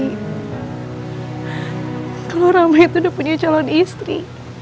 kalau rame itu udah punya calon istri